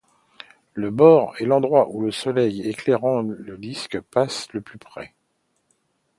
Le Bord est l'endroit où le soleil éclairant le disque passe le plus près.